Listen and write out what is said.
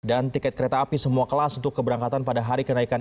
dan tiket kereta api semua kelas untuk keberangkatan pada hari kenaikan